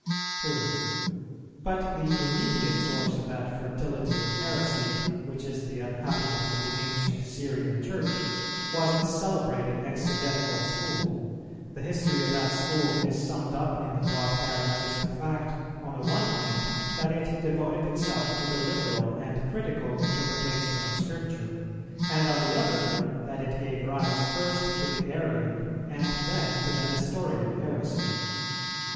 2. But the immediate source of that fertility in heresy, which is the unhappiness of the ancient Syrian Church, was its celebrated Exegetical School. The history of that School is summed up in the broad characteristic fact, on the one hand that it devoted itself to the literal and critical interpretation of Scripture, and on the other that it gave rise first to the Arian and then to the Nestorian heresy.